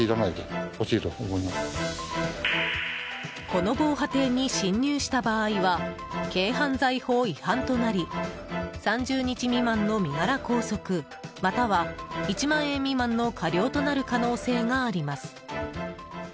この防波堤に侵入した場合は軽犯罪法違反となり３０日未満の身柄拘束または１万円未満の科料となる可能性があります。